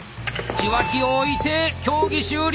受話器を置いて競技終了。